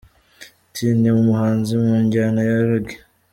T ni umuhanzi mu njyana ya Reggae.